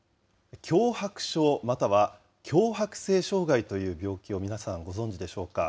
強迫症、または強迫性障害という病気を皆さん、ご存じでしょうか。